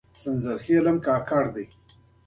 او پښتانه یا فارسیوانان شول،